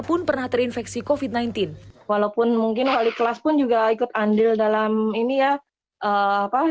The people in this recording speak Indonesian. pun pernah terinfeksi kofit sembilan belas walaupun mungkin wali kelas pun juga ikut andil dalam ini ya apa